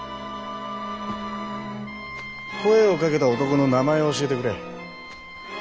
声をかけた男の名前を教えてくれ。